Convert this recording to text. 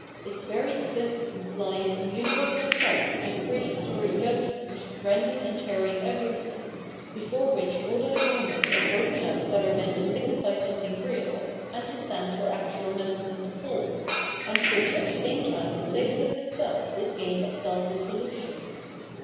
Its very existence hes in universal t fifk and depreciatory judgment rending and tearing everything, before which all those moments are broken 527 Culture and its Sphere of Reality up that are meant to signify something real and to stand for actual members of the whole, and which at the same time plays with itself this game of self dis solution.